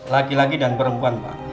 laki laki dan perempuan pak